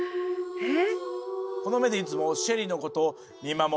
えっ！？